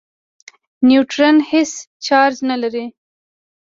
نیوټرون هېڅ چارج نه لري.